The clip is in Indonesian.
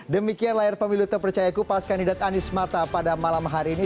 demikian layar pemilu terpercaya kupas kandidat anies mata pada malam hari ini